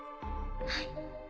はい。